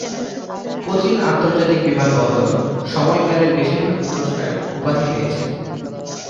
কোচিন আন্তর্জাতিক বিমানবন্দর সময়কালের বেশিরভাগ পুরস্কার এবং উপাধি পেয়েছে।